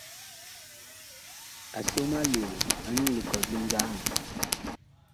A som aloo anyuu likɔt li nzaan.